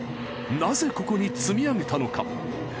なぜここに積み上げたのか？